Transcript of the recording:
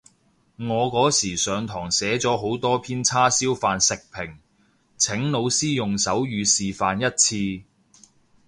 我嗰時上堂寫咗好多篇叉燒飯食評，請老師用手語示範一次